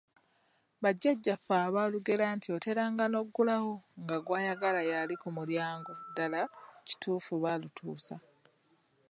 Bajjajjaffe abaalugera nti otera nga n'oggulawo nga gw'ayagala y'ali ku mulyango ddala kituufu baalutuusa.